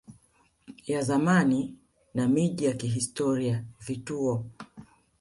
ya zamani na miji ya kihistoria vituo